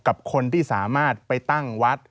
กับคนที่สามารถไปตั้งวัด